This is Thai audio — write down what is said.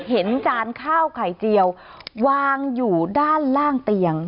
จานข้าวไข่เจียววางอยู่ด้านล่างเตียง